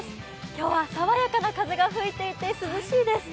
今日は爽やかな風が吹いていて涼しいです。